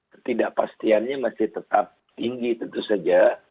ketidakpastiannya masih tetap tinggi tentu saja